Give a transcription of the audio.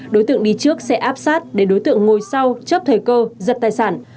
đối tượng đi trước xe áp sát để đối tượng ngồi sau chấp thời cơ giật tài sản